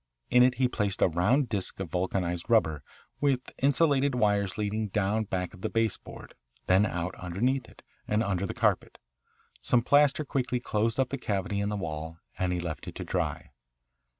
In it he placed a round disc of vulcanised rubber, with insulated wires leading down back of the baseboard, then out underneath it, and under the carpet. Some plaster quickly closed up the cavity in the wall, and he left it to dry.